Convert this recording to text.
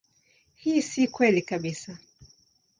Hii si kweli kabisa.